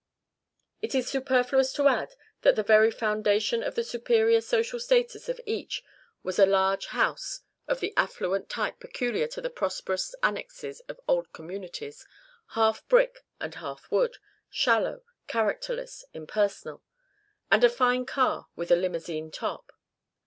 It is superfluous to add that the very foundation of the superior social status of each was a large house of the affluent type peculiar to the prosperous annexes of old communities, half brick and half wood, shallow, characterless, impersonal; and a fine car with a limousine top.